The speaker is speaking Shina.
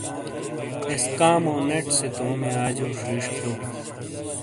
ایسکامو ٹیٹ سے تومی آجیو ݜیݜ کھؤ۔